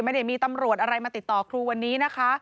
ไม่ได้มีตำรวจอะไรมาติดต่อครูวันนี้นะคะ